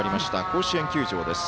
甲子園球場です。